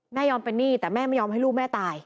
ยอมเป็นหนี้แต่แม่ไม่ยอมให้ลูกแม่ตาย